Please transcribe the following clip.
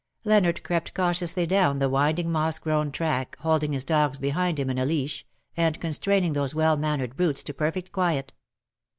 Leonard crept cautiously down the winding moss grown tracks holding his dogs behind him in a leash, and constraining those well mannered brutes to perfect quiet.